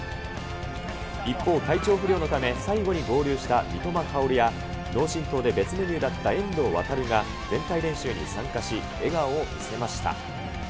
一方、体調不良のため最後に合流した三笘薫や、脳震とうで別メニューだった遠藤航が、全体練習に参加し、笑顔を見せました。